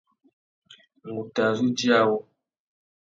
Ngu tà zu djï awô.